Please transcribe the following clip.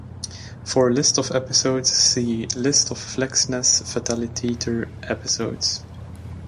For a list of episodes, see List of Fleksnes Fataliteter episodes.